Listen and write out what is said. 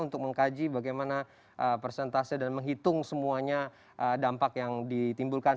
untuk mengkaji bagaimana persentase dan menghitung semuanya dampak yang ditimbulkan